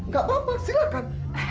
gak apa apa silahkan